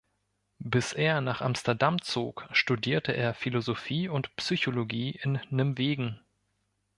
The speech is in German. Bis er nach Amsterdam zog, studierte er Philosophie und Psychologie in Nimwegen.